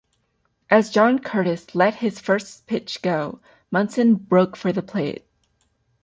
As John Curtis let his first pitch go, Munson broke for the plate.